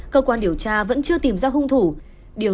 cơ quan điều tra vẫn chưa tìm ra hung thủ